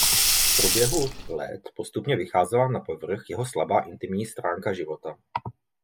V průběhu let postupně vycházela na povrch jeho slabá intimní stránka života.